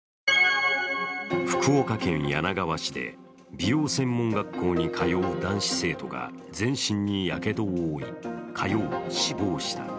福岡県柳川市で美容専門学校に通う男子生徒が全身にやけどを負い火曜、死亡した。